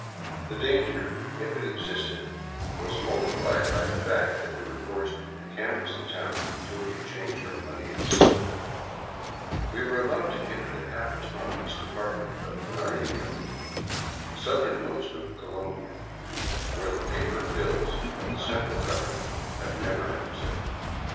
99 VAGABONDING DOWN THE ANDES The danger, if it existed, was multiplied by the fact that we were forced to canvass the town until we had changed our money into silver. We were about to enter the half autonomous Department of Narino, southernmost of Colombia, where the paper bills of the central government have never been accepted.